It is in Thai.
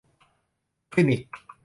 คลินิก